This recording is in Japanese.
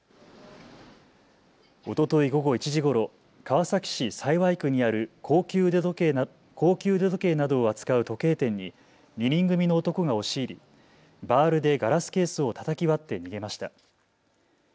おととい午後１時ごろ、川崎市幸区にある高級腕時計などを扱う時計店に２人組の男が押し入り、バールでガラスケースをたたき割って逃げました。